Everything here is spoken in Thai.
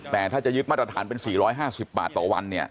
แต่ถ้าจะยึดมาตรฐานเป็น๔๕๐บาทต่อวัน